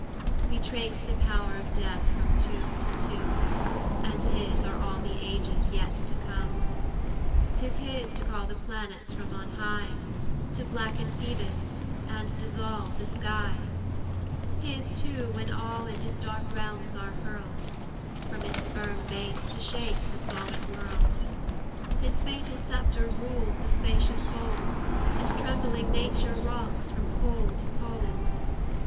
WE trace the pow'r of Death from tomb to tomb, And his are all the ages yet to come. 'Tis his to call the planets from on high, To blacken Phoebus, and dissolve the sky; His too, when all in his dark realms are hurl'd, From its firm base to shake the solid world; His fatal sceptre rules the spacious whole, And trembling nature rocks from pole to pole.